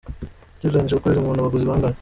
Q: Ugereranije ku kwezi mubona abaguzi bangahe?.